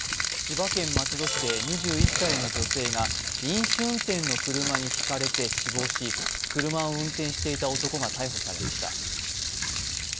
千葉県松戸市で２１歳の女性が飲酒運転の車にひかれて死亡し、車を運転していた男が逮捕されました。